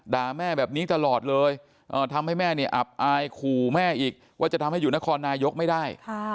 แม่แบบนี้ตลอดเลยทำให้แม่เนี่ยอับอายขู่แม่อีกว่าจะทำให้อยู่นครนายกไม่ได้